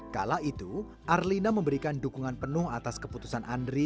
kala itu arlina memberikan dukungan penuh atas keputusan andri